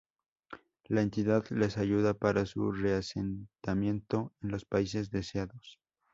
La entidad les ayuda para su reasentamiento en los países deseados.